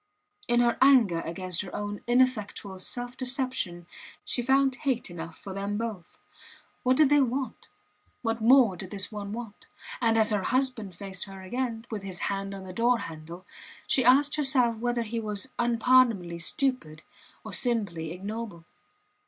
In her anger against her own ineffectual self deception she found hate enough for them both. What did they want? What more did this one want? And as her husband faced her again, with his hand on the door handle, she asked herself whether he was unpardonably stupid, or simply ignoble.